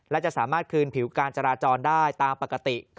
และจะสามารถคืนผิวการจราจรได้ตามปกติ